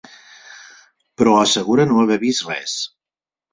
Però assegura no haver vist res.